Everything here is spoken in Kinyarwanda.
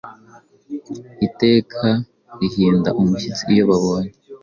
Iteka rihinda umushyitsi iyo babonye,